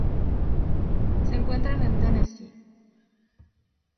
Se encuentran en Tennessee.